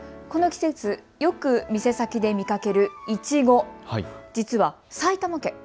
この季節、よく店先で見かけるいちご、実は埼玉県